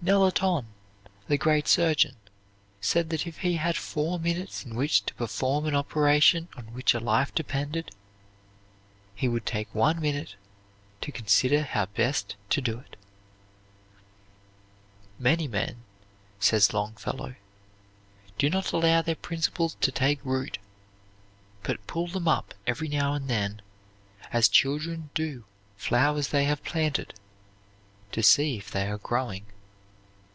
Nelaton, the great surgeon, said that if he had four minutes in which to perform an operation on which a life depended, he would take one minute to consider how best to do it. "Many men," says Longfellow, "do not allow their principles to take root, but pull them up every now and then, as children do flowers they have planted, to see if they are growing."